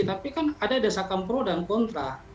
tapi kan ada desakan pro dan kontra